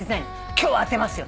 今日は当てますよ。